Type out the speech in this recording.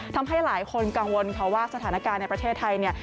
ทำให้หลายคนกังวลค่ะว่าสถานการณ์ในประเทศไทยเนี่ย